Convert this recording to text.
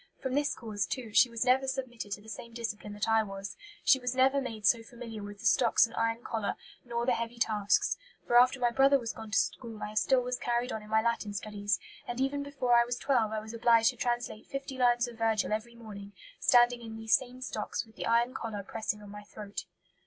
From this cause, too, she was never submitted to the same discipline that I was; she was never made so familiar with the stocks and iron collar, nor the heavy tasks; for after my brother was gone to school I still was carried on in my Latin studies, and even before I was twelve I was obliged to translate fifty lines of Virgil every morning, standing in these same stocks, with the iron collar pressing on my throat."